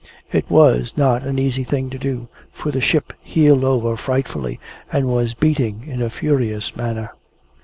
It was not an easy thing to do, for the ship heeled over frightfully, and was beating in a furious manner.